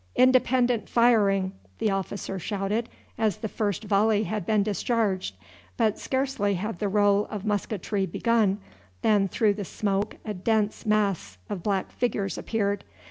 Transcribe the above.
"Independent firing!" the officer shouted as the first volley had been discharged, but scarcely had the roll of musketry begun than through the smoke a dense mass of black figures appeared.